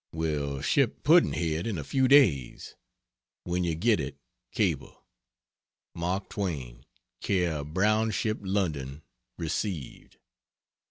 Will ship Pudd'nhead in a few days. When you get it cable Mark Twain Care Brownship, London Received.